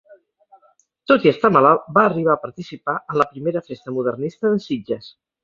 Tot i estar malalt, va arribar a participar en la primera Festa Modernista de Sitges.